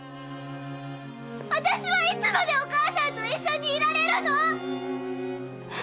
私はいつまでお母さんと一緒にいられるの？